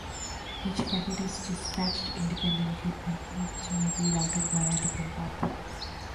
Each packet is dispatched independently and each may be routed via a different path.